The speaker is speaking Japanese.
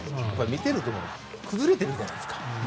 見ていると崩れているじゃないですか。